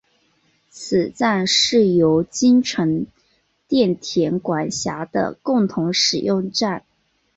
此站是由京成电铁管辖的共同使用站。